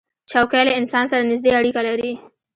چوکۍ له انسان سره نزدې اړیکه لري.